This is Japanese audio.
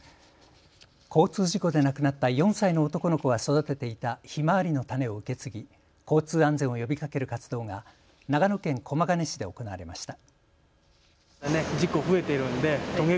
交通事故で亡くなった４歳の男の子が育てていたひまわりの種を受け継ぎ交通安全を呼びかける活動が長野県駒ヶ根市で行われました。